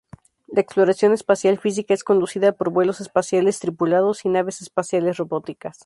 La exploración espacial física es conducida por vuelos espaciales tripulados y naves espaciales robóticas.